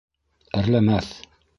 - Әрләмәҫ.